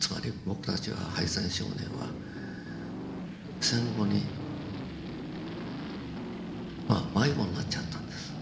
つまり僕たちは敗戦少年は戦後にまあ迷子になっちゃったんです。